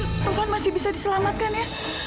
mudah mudahan taufan masih bisa diselamatkan ya